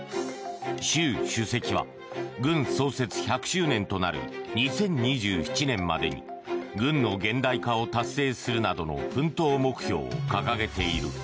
習主席は軍創設１００周年となる２０２７年までに軍の現代化を達成するなどの薫陶目標を掲げている。